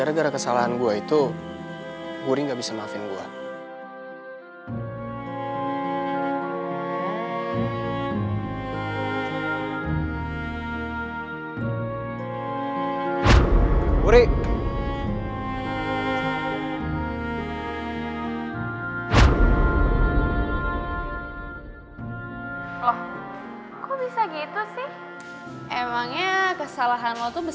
emangnya kesalahan lo tuh besar banget ya